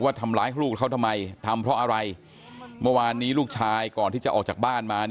ทำร้ายลูกเขาทำไมทำเพราะอะไรเมื่อวานนี้ลูกชายก่อนที่จะออกจากบ้านมา